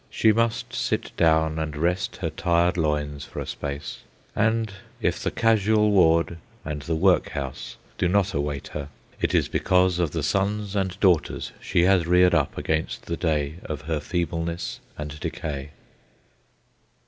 She must sit down and rest her tired loins for a space; and if the casual ward and the workhouse do not await her, it is because of the sons and daughters she has reared up against the day of her feebleness and decay.